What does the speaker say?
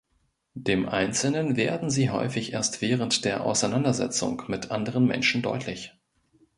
Dem Einzelnen werden sie häufig erst während der Auseinandersetzung mit anderen Menschen deutlich“.